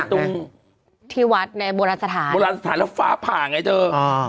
ตรงที่วัดในโบราณสถานโบราณสถานแล้วฟ้าผ่าไงเธออ่า